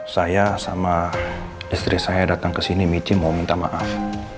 saya sama istri saya datang ke sini michi mau minta maaf